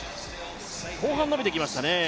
後半、伸びてきましたね。